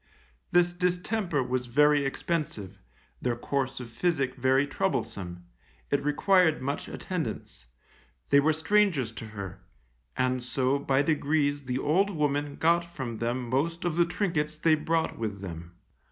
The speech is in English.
This distemper was very expensive, their course of physic very troublesome, it required much attendance, they were strangers to her, and so by degrees the old woman got from them most of the trinkets they brought with them.